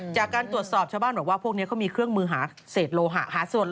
จากการตรวจสอบชาวบ้านบอกว่าพวกนี้เขามีเครื่องมือหาเศษโลหะหาส่วน